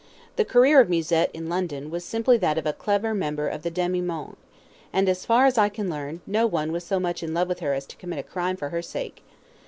The career of Musette, in London, was simply that of a clever member of the DEMI MONDE, and, as far as I can learn, no one was so much in love with her as to commit a crime for her sake.